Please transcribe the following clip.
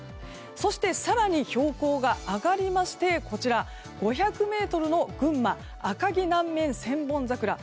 そして、更に標高が上がりまして５００ｍの群馬・赤城南面千本桜。